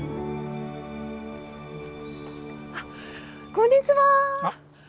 こんにちは。